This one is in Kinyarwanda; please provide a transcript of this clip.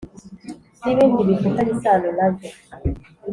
n ibindi bifitanye isano nabyo